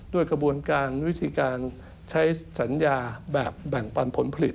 ด้วยกระบวนการวิธีการใช้สัญญาแบบแบ่งปันผลผลิต